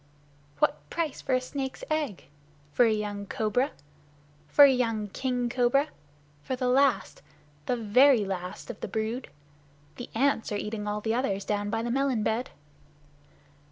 "What price for a snake's egg? For a young cobra? For a young king cobra? For the last the very last of the brood? The ants are eating all the others down by the melon bed."